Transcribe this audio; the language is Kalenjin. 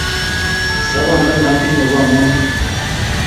sabando na atinye ko amun inye